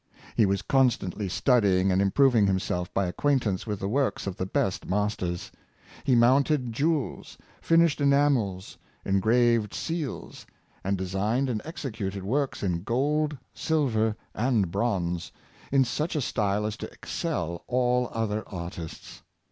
He was constantly studying and improving himself by ac quaintance with the works of the best masters. He mounted jewels, finished enamels, engraved seals, and designed and executed works in gold, silver, and bronze, in such a style as to excel all other artists.